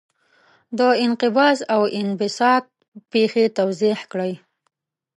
د انقباض او انبساط پېښې توضیح کړئ.